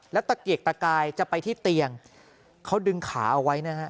แล้วตะเกียกตะกายจะไปที่เตียงเขาดึงขาเอาไว้นะฮะ